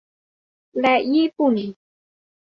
และญี่ปุ่น